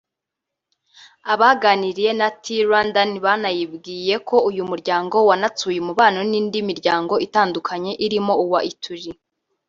Abaganiriye na The Rwandan banayibwiye ko uyu muryango wanatsuye umubano n’indi miryango itandukanye (irimo uwa Ituri